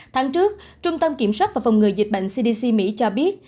tháng trước trung tâm kiểm soát và phòng ngừa dịch bệnh cdc mỹ cho biết